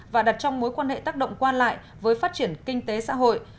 và đặt trong mối quan hệ tác động qua lại với phát triển kinh tế xã hội